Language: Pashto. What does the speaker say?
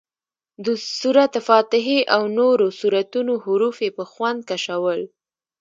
د سورت فاتحې او نورو سورتونو حروف یې په خوند کشول.